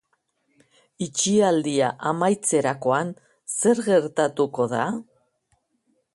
Itxialdia amaitzerakoan zer gertatuko da?